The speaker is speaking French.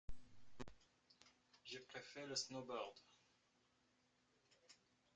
Je préfère le snowboard.